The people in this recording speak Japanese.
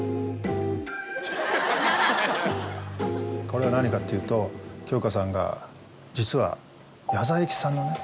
これが何かっていうと京香さんが実は矢沢永吉のね